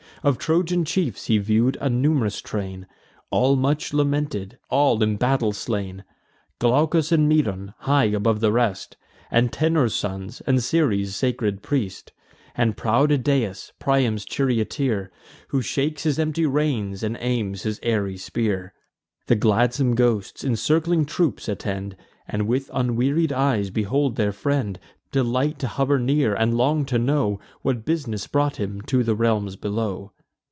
Of Trojan chiefs he view'd a num'rous train, All much lamented, all in battle slain; Glaucus and Medon, high above the rest, Antenor's sons, and Ceres' sacred priest. And proud Idaeus, Priam's charioteer, Who shakes his empty reins, and aims his airy spear. The gladsome ghosts, in circling troops, attend And with unwearied eyes behold their friend; Delight to hover near, and long to know What bus'ness brought him to the realms below.